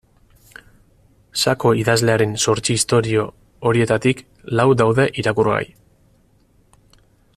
Sako idazlearen zortzi istorio horietarik lau daude irakurgai.